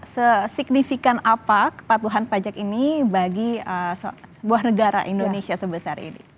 sesignifikan apa kepatuhan pajak ini bagi sebuah negara indonesia sebesar ini